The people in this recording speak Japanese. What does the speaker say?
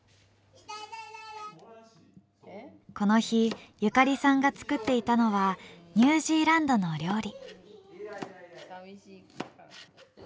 この日友加里さんが作っていたのはニュージーランドのお料理。